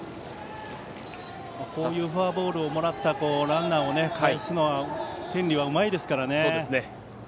こういうフォアボールをもらってランナーをかえすのは天理はうまいですからね。